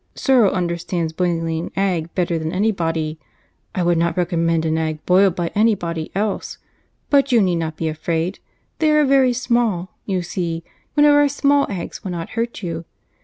Serle understands boiling an egg better than any body. I would not recommend an egg boiled by any body else; but you need not be afraid, they are very small, you see—one of our small eggs will not hurt you.